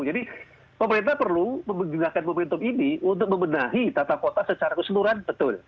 jadi pemerintah perlu menggunakan momentum ini untuk membenahi tata kota secara keseluruhan betul